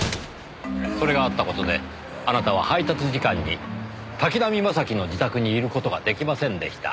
それがあった事であなたは配達時間に滝浪正輝の自宅にいる事が出来ませんでした。